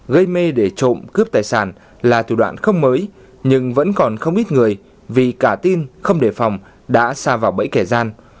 gây mê để trộm cướp tài sản là thủ đoạn không mới nhưng vẫn còn không ít người vì cả tin không đề phòng đã xa vào bẫy kẻ gian